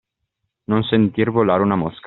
Non sentir volare una mosca.